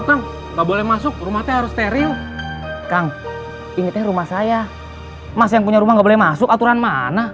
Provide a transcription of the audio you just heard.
kan gak boleh masuk rumahnya harus teriuk kang ini rumah saya masih punya rumah gak boleh masuk aturan mana